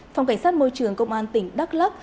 phòng cảnh sát môi trường công an tỉnh đắk lắc